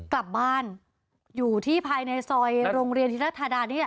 กลับบ้านอยู่ที่ภายในซอยโรงเรียนธิรธาดานี่แหละ